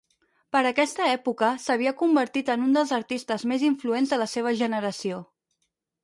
Per aquesta època, s'havia convertit en un dels artistes més influents de la seva generació.